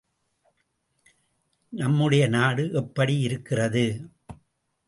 நம்முடைய நாடு எப்படி இருக்கிறது?